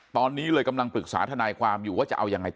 ตอนนี้เลยกำลังปรึกษาทนายความอยู่ว่าจะเอายังไงต่อ